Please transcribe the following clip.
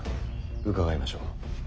伺いましょう。